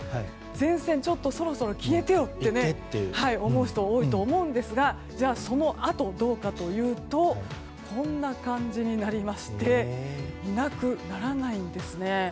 前線、そろそろ消えてよと思う人多いと思うんですがそのあと、どうかというとこんな感じになりましていなくならないんですね。